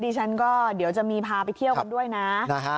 ฉันก็เดี๋ยวจะมีพาไปเที่ยวกันด้วยนะ